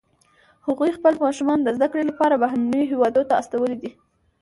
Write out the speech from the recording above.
هغوی خپل ماشومان د زده کړې لپاره بهرنیو هیوادونو ته استولي دي